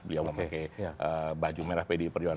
beliau memakai baju merah pdi perjuangan